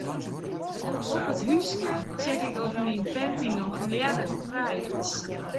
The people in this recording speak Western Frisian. Op it húske check ik oft myn panty noch ljedderfrij is.